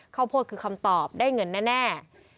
ข้าวโพดคือคำตอบได้เงินแน่